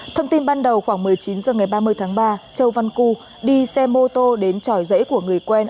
thông tin ban đầu khoảng một mươi chín h ngày ba mươi tháng ba châu văn cư đi xe mô tô đến tròi rễ của người quen